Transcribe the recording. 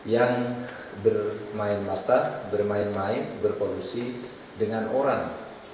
yang bermain mata bermain main berpolusi dengan orang